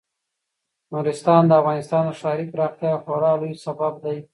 نورستان د افغانستان د ښاري پراختیا یو خورا لوی سبب دی.